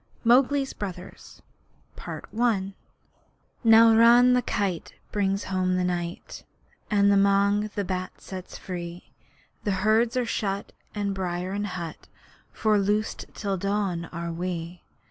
MOWGLI'S BROTHERS Now Chil the Kite brings home the night That Mang the Bat sets free The herds are shut in byre and hut For loosed till dawn are we.